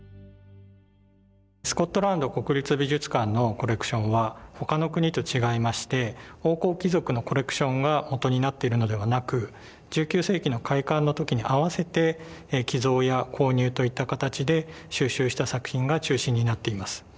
スコットランド国立美術館のコレクションは他の国と違いまして王侯貴族のコレクションがもとになっているのではなく１９世紀の開館の時に合わせて寄贈や購入といった形で収集した作品が中心になっています。